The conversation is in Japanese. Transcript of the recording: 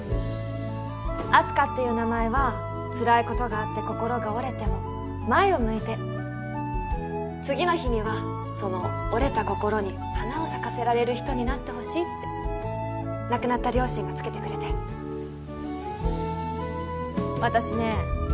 あす花っていう名前はつらいことがあって心が折れても前を向いて次の日にはその折れた心に花を咲かせられる人になってほしいって亡くなった両親がつけてくれて私ね